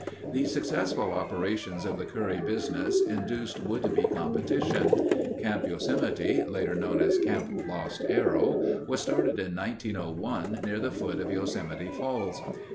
The successful operations of the Curry business induced would be competition. Camp Yosemite, later known as Camp Lost Arrow, was started in 1901 near the foot of Yosemite Falls.